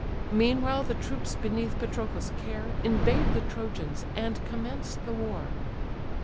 Meanwhile the troops beneath Patroclus' care, Invade the Trojans, and commence the war.